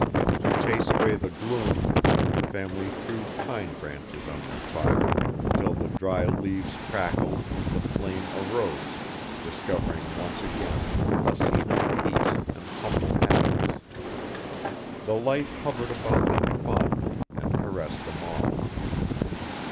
To chase away the gloom, the family threw pine branches on their fire, till the dry leaves crackled and the flame arose, discovering once again a scene of peace and humble happiness. The light hovered about them fondly, and caressed them all.